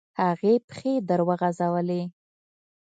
هغې پښې وروغځولې.